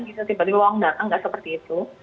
bisa tiba tiba uang datang nggak seperti itu